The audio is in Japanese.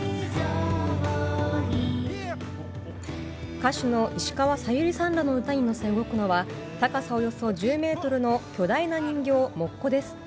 歌手の石川さゆりさんらの歌に乗せ動くのは高さおよそ１０ｍの巨大な人形モッコです。